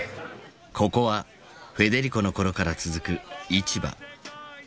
ここはフェデリコの頃から続く市場。